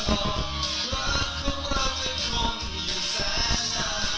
มากมากมาก